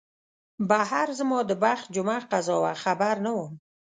بهر زما د بخت جمعه قضا وه خبر نه وم